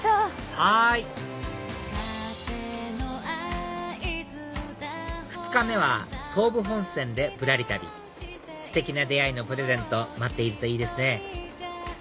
はい２日目は総武本線でぶらり旅ステキな出会いのプレゼント待っているといいですね